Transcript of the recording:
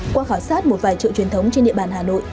qua khảo sát một vài chợ truyền thống trên địa bàn hà nội